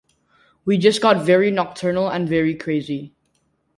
We just got very nocturnal and very crazy.